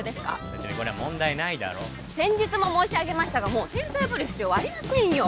別にこれは問題ないだろ先日も申し上げましたがもう天才ぶる必要ありませんよ